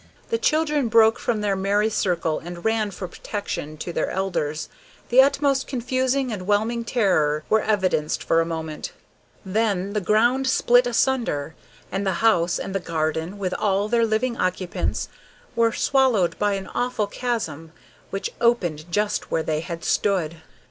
The children broke from their merry circle and ran for protection to their elders. The utmost confusing and whelming terror were evidenced for a moment then the ground split asunder, and the house and the garden, with all their living occupants were swallowed by an awful chasm which opened just where they had stood.